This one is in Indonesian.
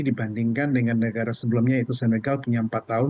dibandingkan dengan negara sebelumnya yaitu senegal punya empat tahun